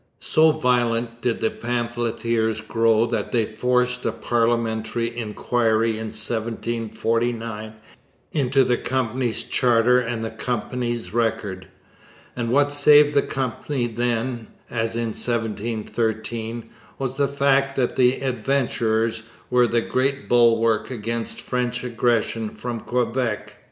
So violent did the pamphleteers grow that they forced a parliamentary inquiry in 1749 into the Company's charter and the Company's record, and what saved the Company then, as in 1713, was the fact that the adventurers were the great bulwark against French aggression from Quebec.